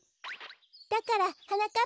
だからはなかっ